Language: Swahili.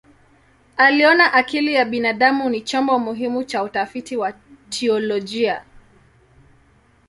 Aliona akili ya binadamu ni chombo muhimu cha utafiti wa teolojia.